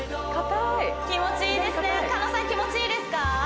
たーい気持ちいいですね狩野さん気持ちいいですか？